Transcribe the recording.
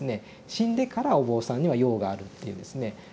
「死んでからお坊さんには用がある」っていうですね